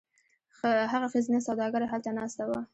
هغه ښځینه سوداګره هلته ناسته وه.